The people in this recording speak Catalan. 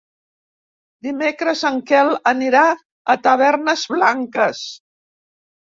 Dimecres en Quel anirà a Tavernes Blanques.